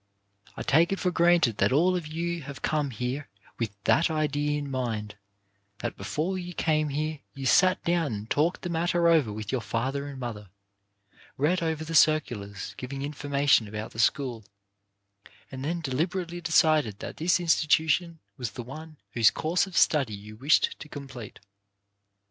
I take it for granted that all of you have come here with that idea in mind ; that before you came here you sat down and talked the matter over with your father and mother, read over the circulars giving information about the school, and then deliberately decided that this institution was the one whose course of study you wished to complete.